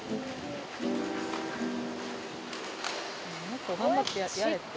「」もっと頑張ってやれって。